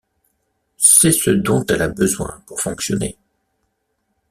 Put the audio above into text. C'est ce dont elle a besoin pour fonctionner.